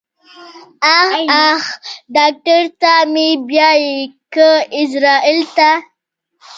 اخ اخ ډاکټر ته مې بيايې که ايزرايل ته.